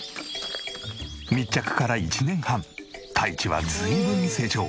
密着から１年半たいちは随分成長。